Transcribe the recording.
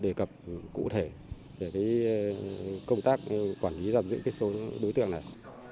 đề cập cụ thể về công tác quản lý giam giữ số đối tượng này